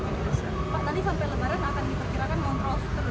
pak tadi sampai lebaran akan diperkirakan mau nge house terus